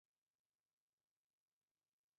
نوشیروان یو ډېر عادل واکمن و باید بشپړ شي.